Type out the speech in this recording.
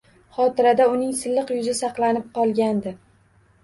Xotirida uning silliq yuzi saqlanib qolgandi